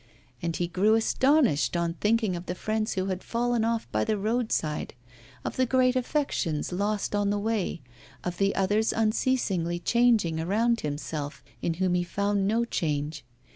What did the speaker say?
And he grew astonished on thinking of the friends who had fallen off by the roadside, of the great affections lost on the way, of the others unceasingly changing around himself, in whom he found no change.